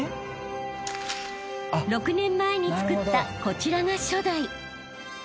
［６年前に作ったこちらが初代］